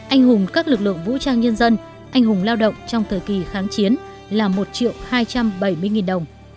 anh hùng các lực lượng vũ trang nhân dân anh hùng lao động trong thời kỳ kháng chiến là một triệu hai trăm bảy mươi nghìn đồng